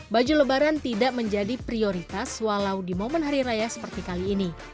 baju lebaran tidak menjadi prioritas walau di momen hari raya seperti kali ini